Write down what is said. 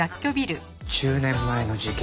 １０年前の事件